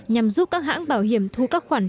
nhằm giúp các hãng bảo hiểm thu các khoản